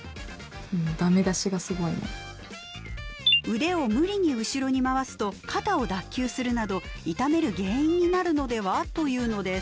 「腕を無理に後ろに回すと肩を脱臼するなど痛める原因になるのでは？」というのです。